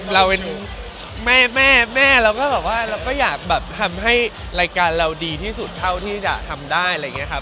เราเป็นแม่เราก็อยากทำให้รายการเราดีที่สุดเท่าที่จะทำได้อะไรอย่างเงี้ยครับ